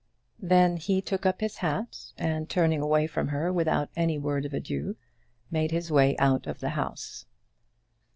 Then he took up his hat, and, turning away from her without any word of adieu, made his way out of the house.